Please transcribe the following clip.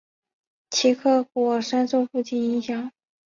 齐克果深受父亲影响。